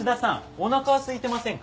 おなかはすいてませんか？